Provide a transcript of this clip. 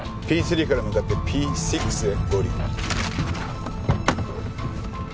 Ｐ３から向かってＰ６で合流。